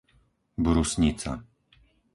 Brusnica